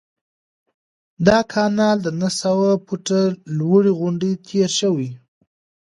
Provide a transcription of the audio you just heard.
دا کانال د نهه سوه فوټه لوړې غونډۍ تیر شوی.